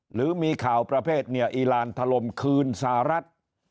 หรือมีข่าวประเภทเนี่ยอีลานถล่มคืนสหรัฐ